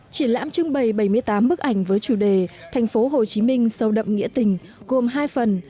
triển lãm trưng bày bảy mươi tám bức ảnh với chủ đề thành phố hồ chí minh sâu đậm nghĩa tình gồm hai phần